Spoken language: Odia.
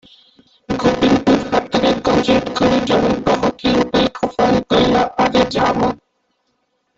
ଗୋବିନ୍ଦପୁର ହାଟର ଗଞ୍ଜେଇଦୋକାନୀ ଜଣେ ଗହକି ଉପରେ ଖପା ହୋଇ କହିଲା, "ଆରେ ଯା ମ ।